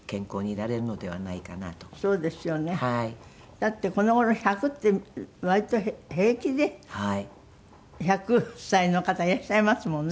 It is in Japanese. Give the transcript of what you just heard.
だってこの頃１００って割と平気で１００歳の方いらっしゃいますもんね。